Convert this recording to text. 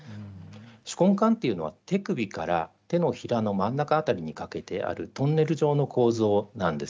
手根管というのは手首から手のひらの真ん中辺りにかけてあるトンネル状の構造なんです。